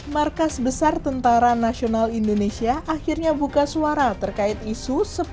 markas besar tentara nasional indonesia akhirnya buka suara terkait isu